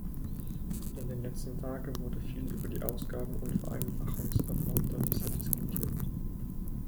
In den letzten Tagen wurde viel über die Ausgaben- und Vereinfachungserfordernisse diskutiert.